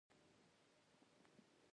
مسلمان د مسلمان ورور دئ.